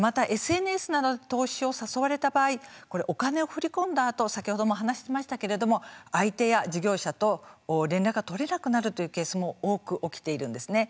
また、ＳＮＳなどで投資を誘われた場合お金を振り込んだあと先ほども話しましたけれども相手や事業者と連絡が取れなくなるというケースも多く起きているんですね。